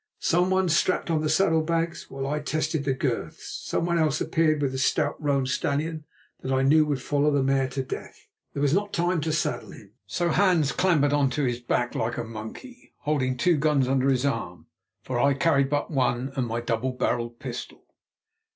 Someone strapped on the saddle bags while I tested the girths; someone else appeared with the stout roan stallion that I knew would follow the mare to the death. There was not time to saddle him, so Hans clambered on to his back like a monkey, holding two guns under his arm, for I carried but one and my double barrelled pistol.